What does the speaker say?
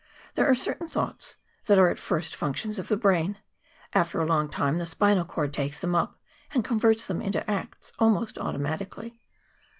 There are certain thoughts that are at first functions of the brain; after a long time the spinal cord takes them up and converts them into acts almost automatically.